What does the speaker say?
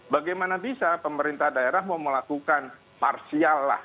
bagaimana bisa pemerintah daerah mau melakukan parsial lah